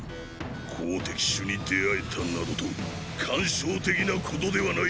好敵手に出会えたなどと感傷的なことではない。